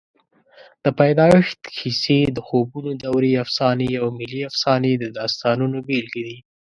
د پیدایښت کیسې، د خوبونو دورې افسانې او ملي افسانې د داستانونو بېلګې دي.